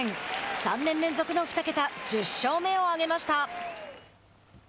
３年連続の二桁１０勝目を挙げました。